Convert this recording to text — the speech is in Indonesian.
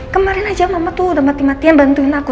kemarin aja mama tuh udah mati matian bantuin aku